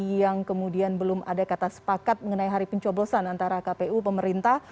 yang kemudian belum ada kata sepakat mengenai hari pencoblosan antara kpu pemerintah